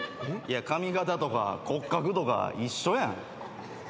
髪形とか骨格とか一緒やん。